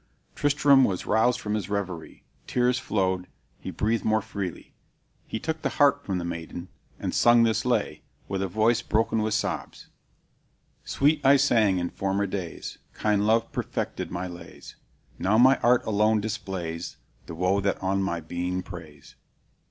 Tristram was roused from his reverie; tears flowed; he breathed more freely; he took the harp from the maiden, and sung this lay, with a voice broken with sobs: "Sweet I sang in former days, Kind love perfected my lays: Now my art alone displays The woe that on my being preys.